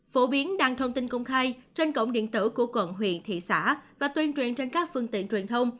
phổ biến đăng thông tin công khai trên cổng điện tử của quận huyện thị xã và tuyên truyền trên các phương tiện truyền thông